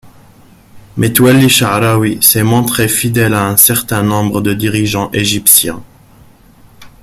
Metwali Chaârawi s'est montré fidèle à un certain nombre de dirigeants égyptiens.